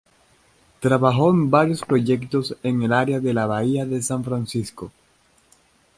Trabajó en varios proyectos en el Área de la Bahía de San Francisco.